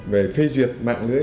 về phê duyệt mạng lưới